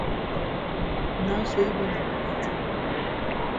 Now sl yi be na wa patron.